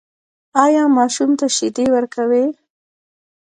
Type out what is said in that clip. ایا ماشوم ته شیدې ورکوئ؟